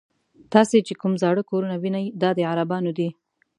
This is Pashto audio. تاسې چې کوم زاړه کورونه وینئ دا د عربانو دي.